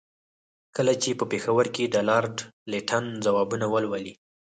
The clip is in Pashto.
کله چې په پېښور کې د لارډ لیټن ځوابونه ولولي.